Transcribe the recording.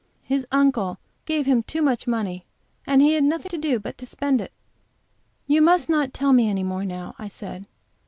His uncle gave him too much money, and he had nothing to do but to spend it." "You must not tell me any more now," I said.